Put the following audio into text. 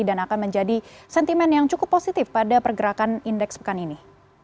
dan akan menjadi sentimen yang cukup positif pada pergerakan indeks pekan ini